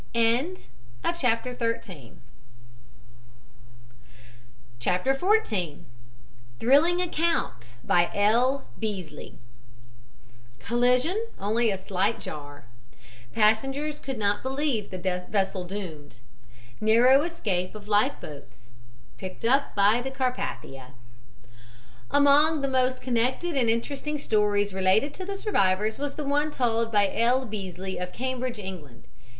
CHAPTER XIV. THRILLING ACCOUNT BY L. BEASLEY COLLISION ONLY A SLIGHT JAR PASSENGERS COULD NOT BELIEVE THE VESSEL DOOMED NARROW ESCAPE OF LIFE BOATS PICKED UP BY THE CARPATHIA AMONG the most connected and interesting stories related by the survivors was the one told by L. Beasley, of Cambridge, England.